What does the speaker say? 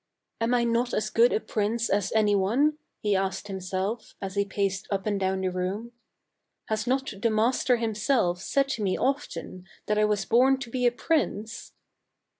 "Am I not as good a prince as any one ?" he asked himself, as he paced up and down the room. " Has not the master himself said to me often that I was born to be a prince